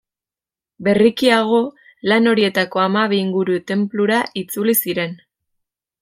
Berrikiago, lan horietako hamabi inguru tenplura itzuli ziren.